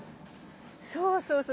そうそうそう。